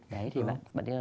đấy thì bạn ấy là